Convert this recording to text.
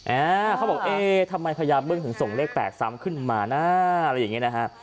อ่าเขาบอกเอ๊ทำไมพญาบึ้งถึงส่งเลข๘ซ้ำขึ้นมานะอะไรอย่างนี้นะฮะ